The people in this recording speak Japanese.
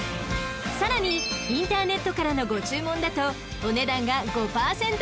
［さらにインターネットからのご注文だとお値段が５％オフに！］